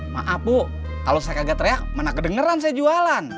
maaf bu kalau saya kagak teriak mana kedengeran saya jualan